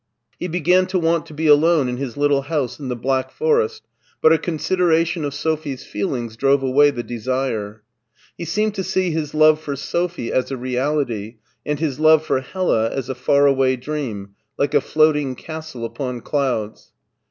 He began to want to be alone in his little house in the Black Forest, but a considera tion of Sophie's feelings drove away the desire. He seemcid to see his love for Sophie as a reality and his love for Hella as a far away dream, like a floating castle upon clouds.